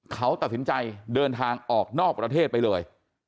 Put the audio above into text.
เขาตัดสินใจเดินทางออกนอกประเทศไปเลย